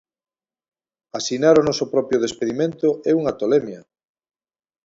Asinar o noso propio despedimento é unha tolemia.